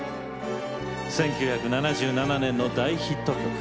１９７７年の大ヒット曲。